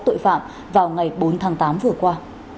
tội phạm vào ngày bốn tháng tám vừa qua